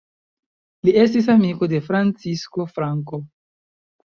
Li estis amiko de Francisco Franco.